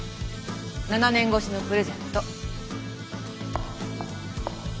７年越しのプレゼント。